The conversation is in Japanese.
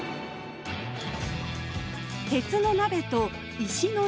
鉄の鍋と石の鍋です。